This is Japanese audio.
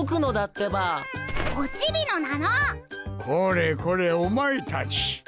これこれおまえたち。